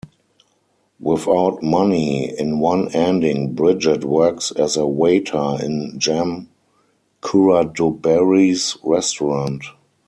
Without money, in one ending Bridget works as a waiter in Jam Kuradoberi's restaurant.